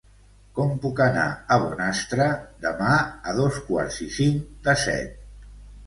Com puc anar a Bonastre demà a dos quarts i cinc de set?